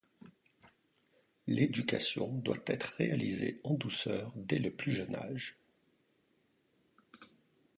L'éducation doit être réalisée en douceur dès le plus jeune âge.